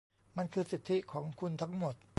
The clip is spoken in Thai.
มันคือสิทธิของคุณทั้งหมด